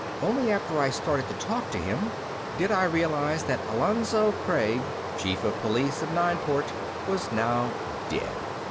Only after I started to talk to him did I realize that Alonzo Craig, Chief of Police of Nineport, was now dead.